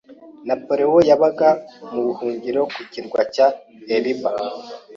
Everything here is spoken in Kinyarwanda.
Napoleon yabaga mu buhungiro ku kirwa cya Elba.